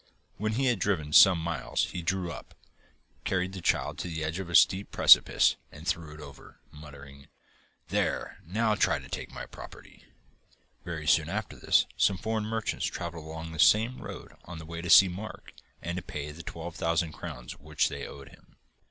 When he had driven some miles he drew up, carried the child to the edge of a steep precipice and threw it over, muttering, 'There, now try to take my property!' Very soon after this some foreign merchants travelled along that same road on the way to see Mark and to pay the twelve thousand crowns which they owed him.